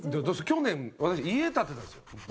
去年私家建てたんですよ。